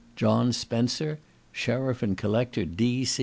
JOHN SPENCER, Sh'ff and Collector, D.